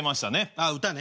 あっ歌ね。